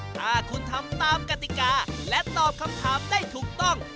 ถ้าคุณทำตามกติกาและตอบคำถามได้ถูกต้อง